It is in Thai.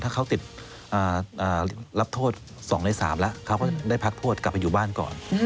ถ้าเขาติดรับโทษ๒ใน๓แล้วเขาก็ได้พักโทษกลับไปอยู่บ้านก่อน